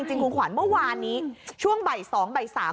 จริงคุณขวัญเมื่อวานนี้ช่วงบ่าย๒บ่าย๓